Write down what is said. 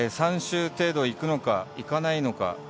３周程度いくのかいかないのか。